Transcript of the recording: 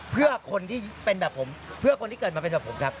เพื่อคนที่เป็นแบบผมเพื่อคนที่เกิดมาเป็นแบบผมครับ